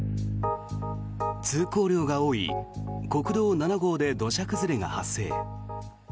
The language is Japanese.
通行量が多い国道７号で土砂崩れが発生。